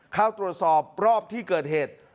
เข้าตรวจสอบรอบที่เกิดเหตุ